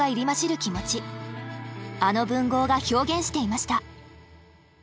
あの文豪が表現していました。